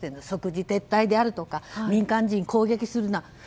即時撤退であるとか民間人を攻撃するなと。